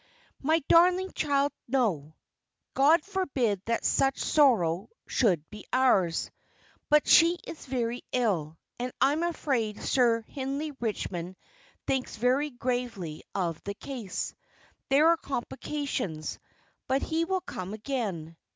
"My darling child, no God forbid that such sorrow should be ours; but she is very ill, and I am afraid Sir Hindley Richmond thinks very gravely of the case. There are complications; but he will come again.